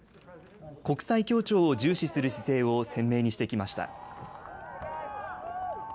国際協調を重視する姿勢を鮮明にしてきました。